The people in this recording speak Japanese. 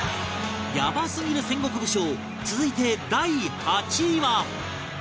ヤバすぎる戦国武将続いて第８位は